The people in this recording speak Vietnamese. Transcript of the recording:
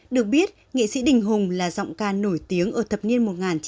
được biết nghệ sĩ đình hùng là giọng ca nổi tiếng ở thập niên một nghìn chín trăm tám mươi